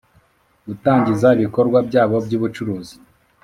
Gutangiza ibikorwa byabo by ubucuruzi